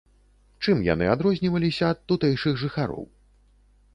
Чым яны адрозніваліся ад тутэйшых жыхароў?